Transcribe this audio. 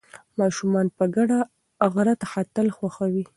ماشومان په ګډه غره ته ختل خوښوي.